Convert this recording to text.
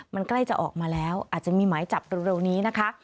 มันใกล้จะออกมาแล้วอาจจะมีหมายจับเร็วนี้นะคะ